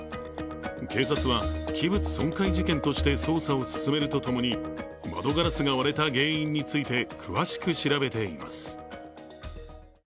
警察は器物損壊事件として捜査を進めるとともに窓ガラスが割れた原因について詳しく調べています。